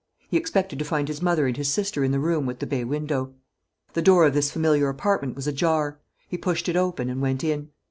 He expected to find his mother and his sister in the room with the bay window. The door of this familiar apartment was ajar; he pushed it open, and went in.